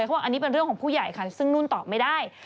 เขาบอกอันนี้เป็นเรื่องของผู้ใหญ่ค่ะซึ่งนุ่นตอบไม่ได้